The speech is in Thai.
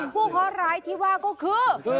เคาะร้ายที่ว่าก็คือ